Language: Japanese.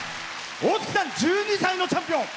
大月さん、１２歳のチャンピオン。